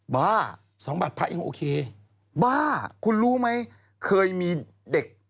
บ้า๒บาทพระยังโอเคบ้าคุณรู้ไหมเคยมีเด็ก